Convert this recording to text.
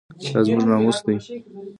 دا زموږ ناموس دی؟